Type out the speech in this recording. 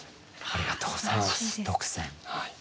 ありがとうございます特選。